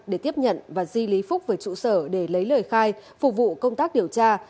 để tiếp nhận và di lý phúc về trụ sở để lấy lời khai phục vụ công tác điều tra